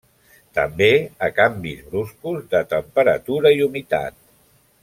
També a canvis bruscos de temperatura i humitat.